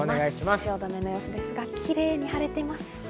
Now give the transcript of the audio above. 汐留の様子ですが、キレイに晴れてます。